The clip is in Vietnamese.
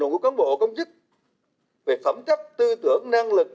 đồng hồ công chức về phẩm chất tư tưởng năng lực